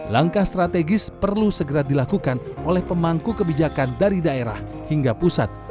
langkah strategis perlu segera dilakukan oleh pemangku kebijakan dari daerah hingga pusat